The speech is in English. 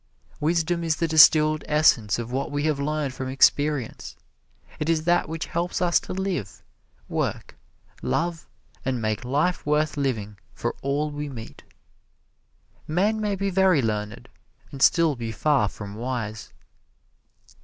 Wisdom is the distilled essence of what we have learned from experience. It is that which helps us to live, work, love and make life worth living for all we meet. Men may be very learned, and still be far from wise.